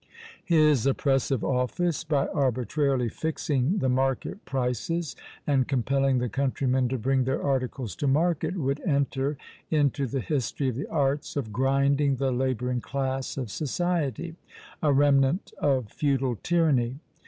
His oppressive office, by arbitrarily fixing the market prices, and compelling the countrymen to bring their articles to market, would enter into the history of the arts of grinding the labouring class of society; a remnant of feudal tyranny!